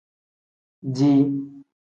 Dii.